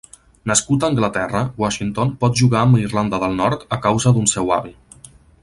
Nascut a Anglaterra, Washington pot jugar amb Irlanda del Nord a causa d'un seu avi.